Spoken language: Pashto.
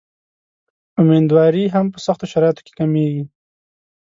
امیندواري هم په سختو شرایطو کې کمېږي.